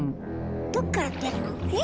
どっから出るの？え？